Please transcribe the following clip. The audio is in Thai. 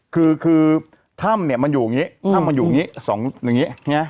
คือคือถ้ำเนี่ยมันอยู่อย่างนี้ถ้ำมันอยู่อย่างนี้สองอย่างนี้